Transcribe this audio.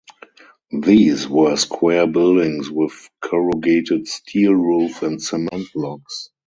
These were square buildings with corrugated steel roof and cement blocks.